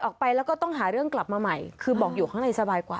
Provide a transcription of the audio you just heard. ออกไปแล้วก็ต้องหาเรื่องกลับมาใหม่คือบอกอยู่ข้างในสบายกว่า